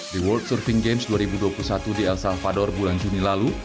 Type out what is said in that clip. di world surfing games dua ribu dua puluh satu di el salvador bulan juni lalu